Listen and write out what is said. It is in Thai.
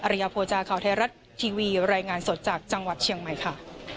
ริยโภจาข่าวไทยรัฐทีวีรายงานสดจากจังหวัดเชียงใหม่ค่ะ